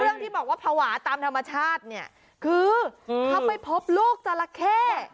ที่บอกว่าภาวะตามธรรมชาติเนี่ยคือเขาไปพบลูกจราเข้